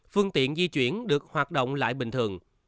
phương tiện di chuyển được hoạt động lại bình thường